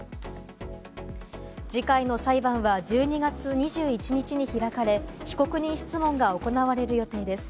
次回の裁判は１２月２１日に開かれ、被告人質問が行われる予定です。